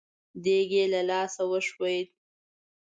دېګ يې له لاسه وښوېد.